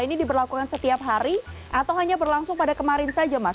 ini diberlakukan setiap hari atau hanya berlangsung pada kemarin saja mas